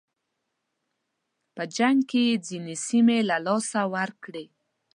په جنګ کې یې ځینې سیمې له لاسه ورکړې.